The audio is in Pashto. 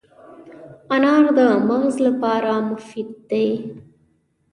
انار د مغز لپاره مفید دی.